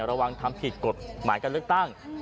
ระวังทำผิดกฎหมายการเลือกตั้ง